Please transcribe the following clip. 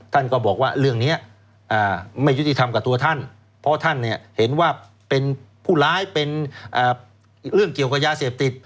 ท่านก็บอกว่าเรื่องนี้ไม่ยุติธรรมกับตัวท่านเพราะท่านเห็นว่าเป็นผู้ร้ายเป็นเรื่องเกี่ยวกับยาเสพติด